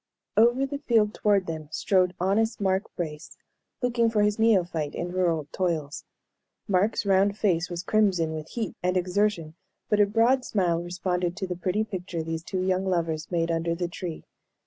Over the field toward them strode honest Mark Brace, looking for his neophyte in rural toils. Mark's round face was crimson with heat and exertion, but a broad smile responded to the pretty picture these two young lovers made under the tree.